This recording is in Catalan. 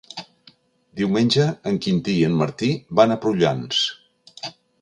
Diumenge en Quintí i en Martí van a Prullans.